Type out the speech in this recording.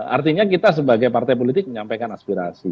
artinya kita sebagai partai politik menyampaikan aspirasi